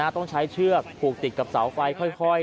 ต้องใช้เชือกผูกติดกับเสาไฟค่อย